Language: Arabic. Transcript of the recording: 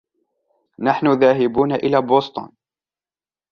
نحن ذاهبون إلى بوسطن.